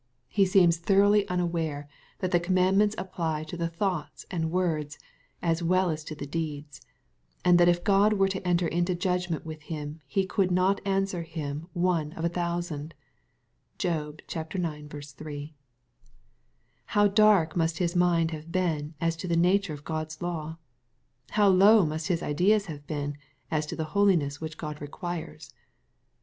He seems thoroughly unaware that the commandments apply to the thoughts and words, as well as to the deeds, and that if God were to enter into judgment with him, he could "not answer Him one of a thousand 1" (Job ix. 3.) How dark must his mind have been as to the nature of God's law 1 How low must his ideas have been as to the holiness which God requires